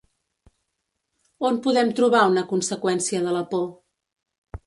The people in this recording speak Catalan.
On podem trobar una conseqüència de la por?